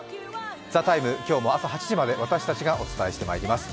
「ＴＨＥＴＩＭＥ，」、今日も朝８時まで私たちがお伝えしてまいります。